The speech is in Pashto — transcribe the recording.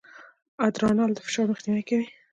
ادرانال د فشار مخنیوی کوي.